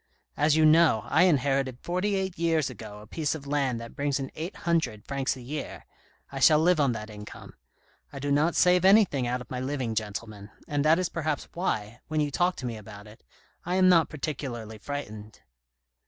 As you know, I inherited forty eight years ago a piece of land that brings in eight hundred francs a year ; I shall live on that income. I do not save anything out of my living, gentlemen ; and that is perhaps why, when you talk to me about it, I am not particularly frightened."